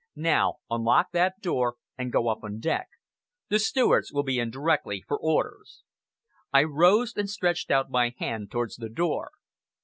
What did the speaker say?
Now unlock that door, and go up on deck. The stewards will be in directly for orders." I rose and stretched out my hand towards the door.